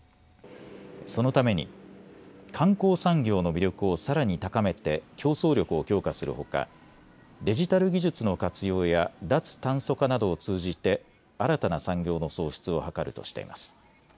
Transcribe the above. そのために観光産業の魅力をさらに高めて競争力を強化するほかデジタル技術の活用や脱炭素化などを通じて新たな産業の創出を図るとしています。